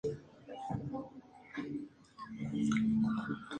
Siendo así unos de los pioneros de la Doctrina Social de La Iglesia.